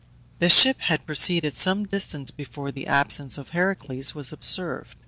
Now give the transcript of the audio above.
The ship had proceeded some distance before the absence of Heracles was observed.